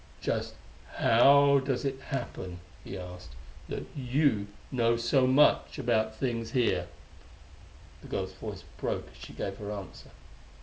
"Just how does it happen," he asked, "that you know so much about things here?" The girl's voice broke as she gave her answer.